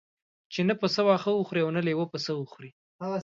چې نه پسه واښه وخوري او نه لېوه پسه وخوري.